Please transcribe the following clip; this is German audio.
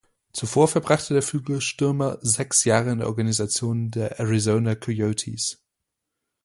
Zuvor verbrachte der Flügelstürmer sechs Jahre in der Organisation der Arizona Coyotes.